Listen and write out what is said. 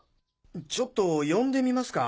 ちょっと呼んでみますか。